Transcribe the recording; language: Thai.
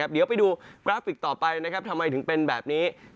เดี๋ยวไปดูกราฟิกต่อไปนะครับทำไมถึงเป็นแบบนี้